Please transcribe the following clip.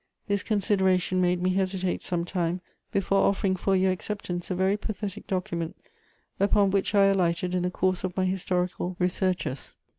This consideration made me hesitate some time before offering for your acceptance a very pathetic document, upon which I alighted in the course of my historical researches.